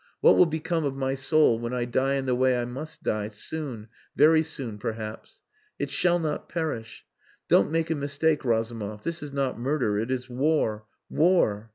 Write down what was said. What will become of my soul when I die in the way I must die soon very soon perhaps? It shall not perish. Don't make a mistake, Razumov. This is not murder it is war, war.